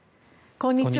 こんにちは。